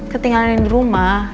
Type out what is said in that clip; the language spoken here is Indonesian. ketinggalan ini rumah